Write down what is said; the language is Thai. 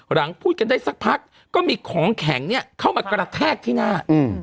หลังพูดกันได้สักพักก็มีของแข็งเนี่ยเข้ามากระแทกที่หน้า